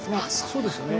そうですね。